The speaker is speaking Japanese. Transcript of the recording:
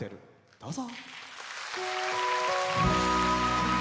どうぞ。